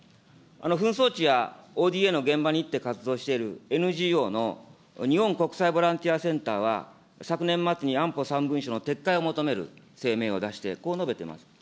紛争地やＯＤＡの現場に行って活動しているＮＧＯの日本国際ボランティアセンターは、昨年末に安保３文書の撤回を求める声明を出して、こう述べてます。